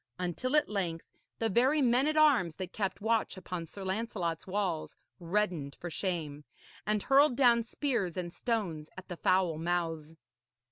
Until at length the very men at arms that kept watch upon Sir Lancelot's walls reddened for shame, and hurled down spears and stones at the foul mouths.